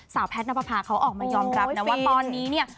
สาวแพทย์ณปภาเขาออกมายอมรับนะว่าตอนนี้เนี่ย